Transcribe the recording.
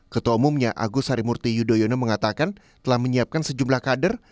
ketua umumnya agus harimurti yudhoyono mengatakan telah menyiapkan sejumlah kader